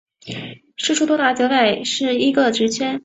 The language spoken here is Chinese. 释出多达九百一十个职缺